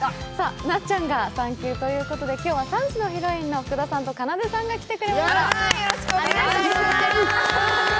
なっちゃんが産休ということで今日は３時のヒロインの福田さんとかなでさんが来てくれました。